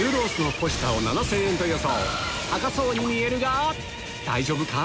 高そうに見えるが大丈夫か？